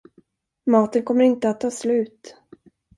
Maten kommer inte att ta slut.